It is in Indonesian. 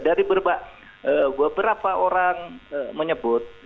dari beberapa orang menyebut